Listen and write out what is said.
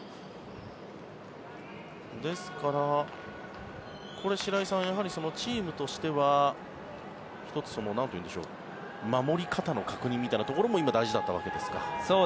ですから、白井さんチームとしては１つ守り方の確認みたいなところも今、大事だったわけですか。